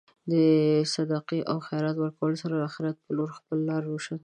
د صدقې او خیرات ورکولو سره د اخرت په لور خپل لاره روشن ساتل.